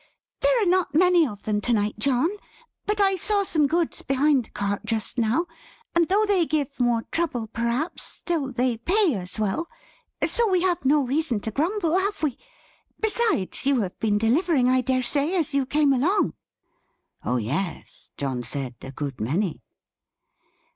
"There are not many of them to night, John, but I saw some goods behind the cart, just now; and though they give more trouble, perhaps, still they pay as well; so we have no reason to grumble, have we? Besides, you have been delivering, I dare say, as you came along?" Oh yes, John said. A good many.